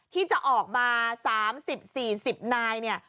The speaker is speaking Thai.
ที่จะออกมา๓๐๔๐นายเนี่ย